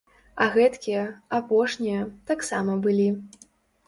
А гэткія, апошнія, таксама былі.